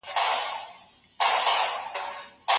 د افغانستان کلتور د نورو هېوادونو په پرتله بډایه دی.